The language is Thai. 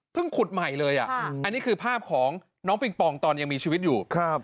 ขุดใหม่เลยอ่ะอันนี้คือภาพของน้องปิงปองตอนยังมีชีวิตอยู่